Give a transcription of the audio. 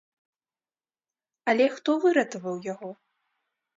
Але хто выратаваў яго?